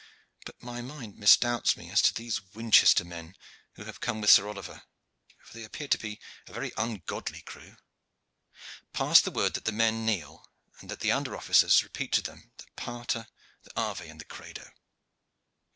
But my mind misdoubts me as to these Winchester men who have come with Sir Oliver, for they appear to be a very ungodly crew. Pass the word that the men kneel, and that the under officers repeat to them the pater, the ave, and the credo."